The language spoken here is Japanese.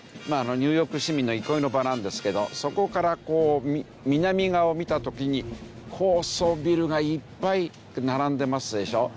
ニューヨーク市民の憩いの場なんですけどそこからこう南側を見た時に高層ビルがいっぱい並んでますでしょ。